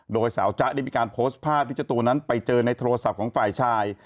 โดยสาวจ๊ะได้มีการโพสต์ภาพที่เจ้าตัวนั้นไปเจอในโทรศัพท์ของฝ่ายชาย